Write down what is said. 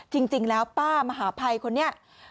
จริงแล้วป้ามหาภัยคนนี้